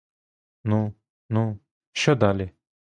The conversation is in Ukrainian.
Ну, ну, що далі?